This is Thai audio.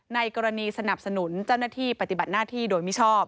ในกรณีสนับสนุนเจ้าหน้าที่ปฏิบัติหน้าที่โดยมิชอบ